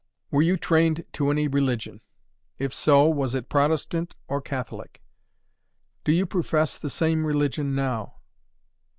"Were you trained to any religion? If so, was it Protestant or Catholic? "Do you profess the same religion now?